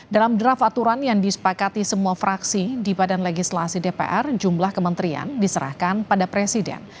dalam draft aturan yang disepakati semua fraksi di badan legislasi dpr jumlah kementerian diserahkan pada presiden